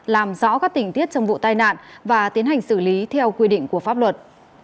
làm rõ các tình tiết trong vụ tai nạn và tiến hành xử lý theo quy định của pháp luật